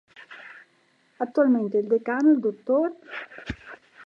Attualmente il Decano è il dott.